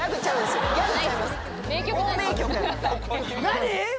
何？